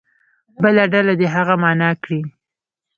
بله ډله دې هغه معنا کړي.